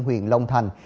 huyền long thành